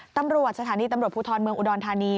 ตำรวจสถานีตำรวจภูทรเมืองอุดรธานี